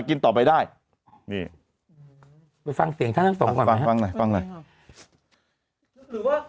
กินต่อไปได้นี่ไปฟังเสียงท่านทั้งสองคนฟังฟังหน่อยฟังหน่อยว่า